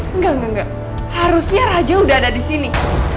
enggak enggak harusnya raja udah ada disini